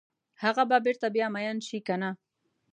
هغه به بیرته بیا میین شي کنه؟